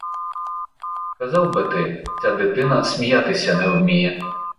Казав би ти, ця дитина сміятися не вміє.